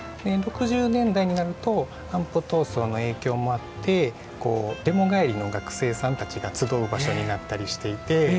６０年代になると安保闘争の影響もあってデモ帰りの学生さんたちが集う場所になったりしていて。